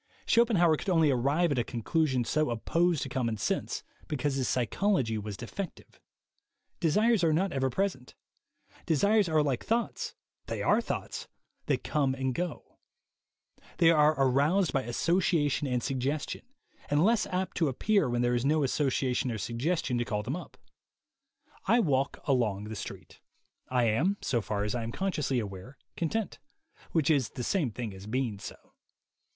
Schopenhauer could only arrive at a conclusion so opposed to common sense because his psychology was defective. Desires are not ever present. Desires are like thoughts — they are thoughts — that come and go. They are aroused by association and suggestion, and less apt to appear when there is no association or suggestion to call them up. I walk along the street. I am, so far as I am consciously aware, content ; which is the same thing as being so.